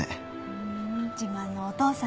ふん自慢のお父さんね。